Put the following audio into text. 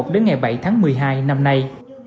đến ngày bảy tháng một mươi hai năm nay